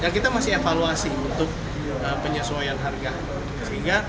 kita masih evaluasi untuk penyesuaian harga